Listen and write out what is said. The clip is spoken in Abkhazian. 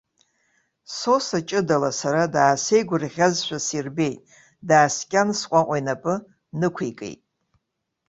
Сосо ҷыдала сара даасеигәырӷьазшәа сирбеит, дааскьан сҟәаҟәа инапы нықәикит.